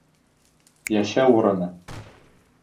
Йәшәү урыны